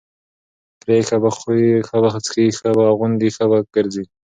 پرې ښه به خوري، ښه به څکي ښه به اغوندي، ښه به ګرځي،